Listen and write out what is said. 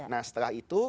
nah setelah itu